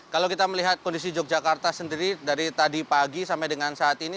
kalau kita melihat kondisi yogyakarta sendiri dari tadi pagi sampai dengan saat ini